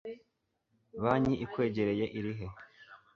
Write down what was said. banki ikwegereye irihe